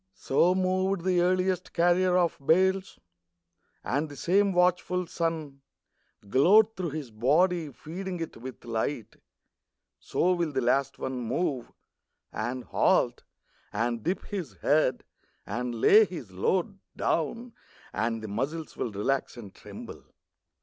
So moved the earliest carrier of bales, And the same watchful sun Glowed through his body feeding it with light. So will the last one move, And halt, and dip his head, and lay his load Down, and the muscles will relax and tremble.